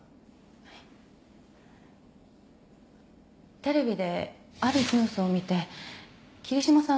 テレビであるニュースを見て桐島さん